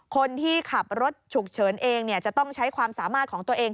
คนที่ขับรถฉุกเฉินเองจะต้องใช้ความสามารถของตัวเอง